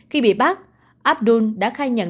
khi bị bắt abdul đã khai nhận